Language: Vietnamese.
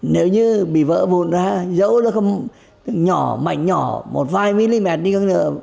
nếu như bị vỡ vùn ra dấu nó không nhỏ mạnh nhỏ một vài mm đi hơn nữa